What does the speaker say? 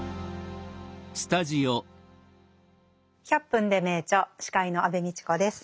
「１００分ｄｅ名著」司会の安部みちこです。